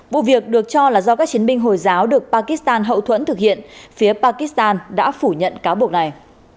vụ việc được cho là do các chiến binh hồi giáo được pakistan hậu thuẫn thực hiện phía pakistan đã phủ nhận cáo buộc này